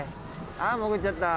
ああ潜っちゃった。